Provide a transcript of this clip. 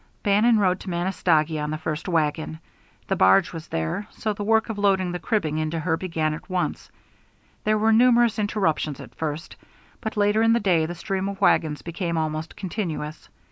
Bannon rode to Manistogee on the first wagon. The barge was there, so the work of loading the cribbing into her began at once. There were numerous interruptions at first, but later in the day the stream of wagons became almost continuous.